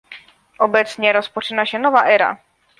Obecnie rozpoczyna się nowa era